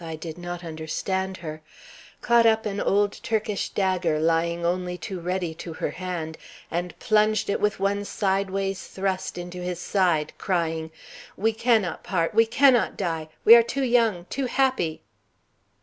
I did not understand her) caught up an old Turkish dagger lying only too ready to her hand, and plunged it with one sideways thrust into his side, crying: "We cannot part, we cannot die, we are too young, too happy!"